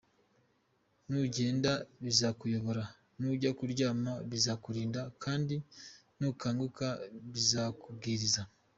Nugenda bizakuyobora nujya kuryama bizakurinda kandi nukanguka bizakubwiriza.